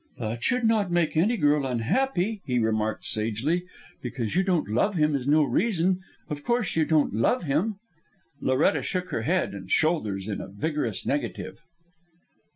"That should not make any girl unhappy," he remarked sagely. "Because you don't love him is no reason of course, you don't love him?" Loretta shook her head and shoulders in a vigorous negative.